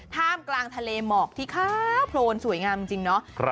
ท่ามกลางทะเลหมอกที่ขาวโพลนสวยงามจริงเนาะ